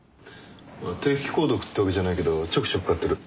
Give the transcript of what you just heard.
定期購読ってわけじゃないけどちょくちょく買ってる。